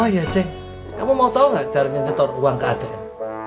oh iya ceng kamu mau tau gak cara nyetor uang ke atm